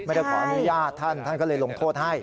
ไม่ได้ขออนุญาตท่านท่านก็เลยลงโทษให้